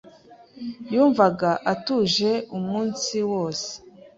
Yumvaga atuje umunsi wose.